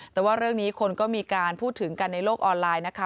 แต่ว่าเรื่องนี้คนก็มีการพูดถึงกันในโลกออนไลน์นะคะ